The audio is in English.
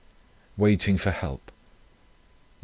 ]" WAITING FOR HELP. "Nov.